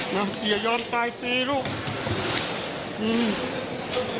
อย่ายอมตายฟรีลูกอืม